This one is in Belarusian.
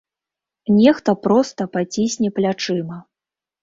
Нехта проста пацісне плячыма.